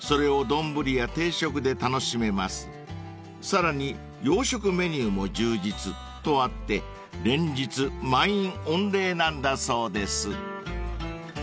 ［さらに洋食メニューも充実とあって連日満員御礼なんだそうです］